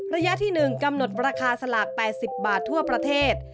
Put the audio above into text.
ระยะที่๑กำหนดราคาสลาก๘๐บาททั่วประเทศ